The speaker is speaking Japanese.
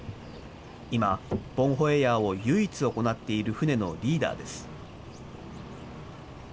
今、ボンホエヤーを唯一行っている船のリーダーです。